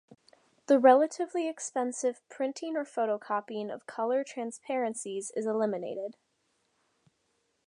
The relatively expensive printing or photocopying of color transparencies is eliminated.